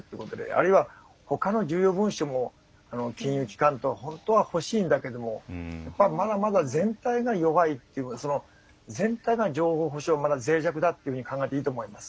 あるいは他の重要文書も金融機関等本当は欲しいんだけどもまだまだ全体が弱いっていうか全体の情報保障がまだぜい弱だというふうに考えていいと思います。